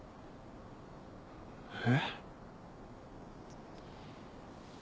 え？